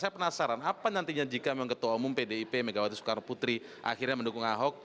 saya penasaran apa nantinya jika memang ketua umum pdip megawati soekarno putri akhirnya mendukung ahok